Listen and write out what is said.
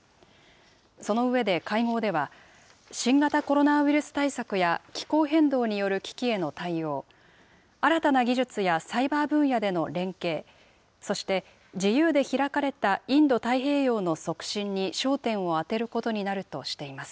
その上で会合では、新型コロナウイルス対策や気候変動による危機への対応、新たな技術やサイバー分野での連携、そして自由で開かれたインド太平洋の促進に焦点を当てることになるとしています。